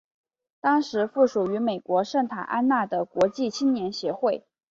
当时附属于美国圣塔安娜的国际青年协会。